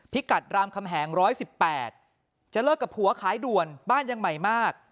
พิกัดรามคำแหง๑๑๘จะเลิกกับผัวขายด่วนบ้านยังใหม่มาก